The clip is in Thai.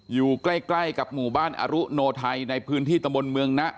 อยู่ใกล้กับหมู่บ้านอรุโนไทยในพื้นที่ตะบนเมืองนะ